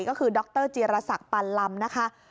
ก็คือดรจิรษักรปันลำนะคะ